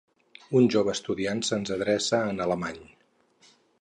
Un jove estudiant se'ns adreça en alemany.